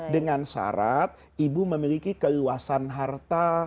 dengan syarat ibu memiliki keluasan harta